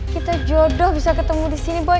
kita jodoh bisa ketemu disini boy